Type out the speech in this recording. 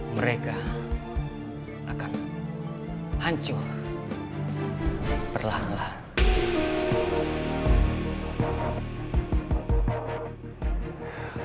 mereka akan hancur perlahan lahan